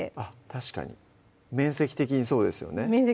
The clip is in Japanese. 確かに面積的にそうですよね